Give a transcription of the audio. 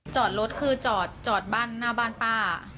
จอดรถคือจอดบ้านหน้าบ้านป้า